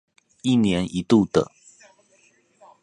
一年一度的